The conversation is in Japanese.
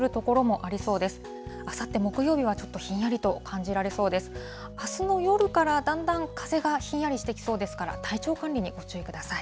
あすの夜からだんだん風がひんやりしてきそうですから、体調管理にご注意ください。